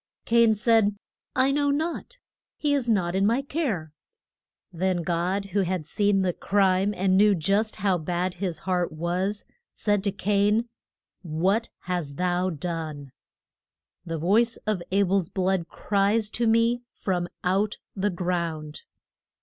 Cain said, I know not. He is not in my care. Then God, who had seen the crime, and knew just how bad his heart was, said to Cain: What hast thou done? The voice of A bel's blood cries to me from out the ground.